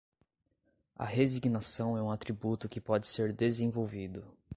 A resignação é um atributo que pode ser desenvolvido